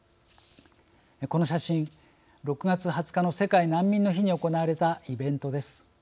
この写真６月２０日の世界難民の日に行われたイベントです。